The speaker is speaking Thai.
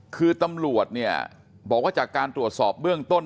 คือตำรวจเนี่ยบอกว่าจากการตรวจสอบเบื้องต้น